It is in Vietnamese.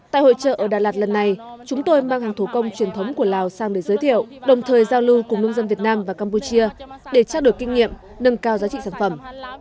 tại hội trợ ở đà lạt lần này chúng tôi mang hàng thủ công truyền thống của lào sang để giới thiệu đồng thời giao lưu cùng nông dân việt nam và campuchia để trao đổi kinh nghiệm nâng cao giá trị sản phẩm